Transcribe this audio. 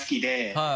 はい。